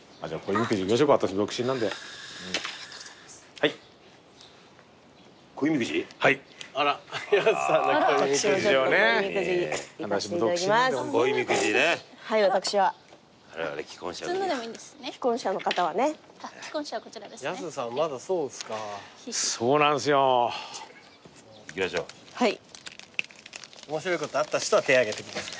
面白いことあった人は手ぇ挙げてください。